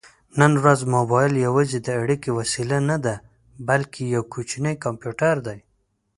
نن ورځ مبایل یوازې د اړیکې وسیله نه ده، بلکې یو کوچنی کمپیوټر دی.